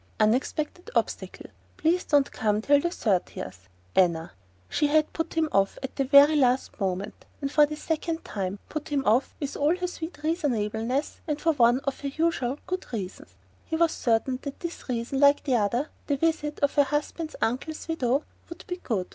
"Unexpected obstacle. Please don't come till thirtieth. Anna." She had put him off at the very last moment, and for the second time: put him off with all her sweet reasonableness, and for one of her usual "good" reasons he was certain that this reason, like the other, (the visit of her husband's uncle's widow) would be "good"!